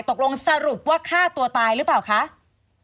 ตกลงสรุปว่าฆ่าตัวตายหรือเปล่าคะ